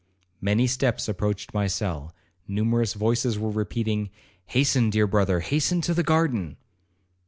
Many steps approached my cell, numerous voices were repeating, 'Hasten, dear brother, hasten to the garden.'